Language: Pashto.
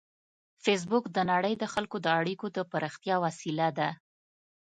فېسبوک د نړۍ د خلکو د اړیکو د پراختیا وسیله ده